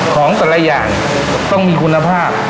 ของแต่ละอย่างต้องมีคุณภาพ